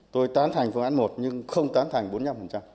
tôi tán thành phương án một nhưng không tán thành bốn mươi năm